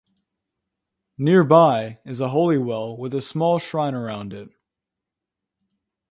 Nearby is a Holy Well with a small shrine around it.